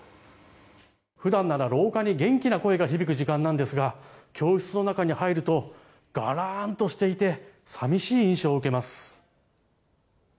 普段なら廊下に元気な声が響く時間ですが教室の中に入るとがらんとして寂しい印象を受けます。